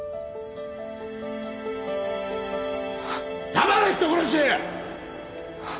黙れ人殺し！